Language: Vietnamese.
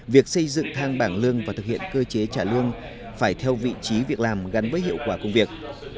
việc xây dựng thang bảng lương và thực hiện cơ chế trả lương phải theo vị trí việc làm gắn với hiệu quả công việc